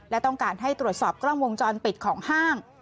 และมีสอบกล้องวงจรปิดของห้าง